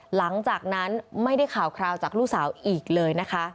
หลังจากนั้นไม่ได้ข่าวคราวจากลูกเสากันเลย